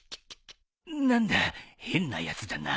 何だ変なやつだな。